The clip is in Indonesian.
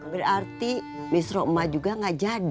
berarti misro emak juga tidak jadi